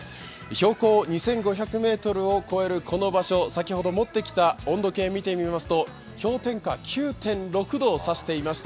標高２５００ｍを超えるこの場所、先ほど持ってきた温度計を見てみますと、氷点下９．６度を指していました。